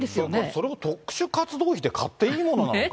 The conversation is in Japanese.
それを特殊活動費で買っていいものなのか。